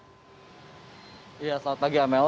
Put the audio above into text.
selamat pagi amel